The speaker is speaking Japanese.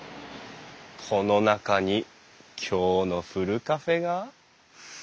この中に今日のふるカフェが。